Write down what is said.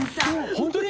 本当に？